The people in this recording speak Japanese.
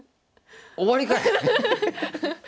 終わりかい！